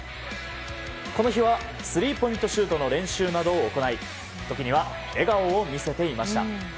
この日はスリーポイントシュートの練習などを行い時には笑顔を見せていました。